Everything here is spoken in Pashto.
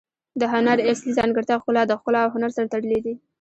د هنر اصلي ځانګړتیا ښکلا ده. ښګلا او هنر سره تړلي دي.